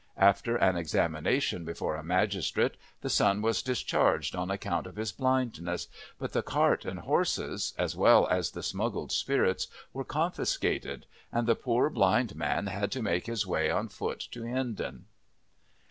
After an examination before a magistrate the son was discharged on account of his blindness, but the cart and horses, as well as the smuggled spirits, were confiscated, and the poor blind man had to make his way on foot to Hindon.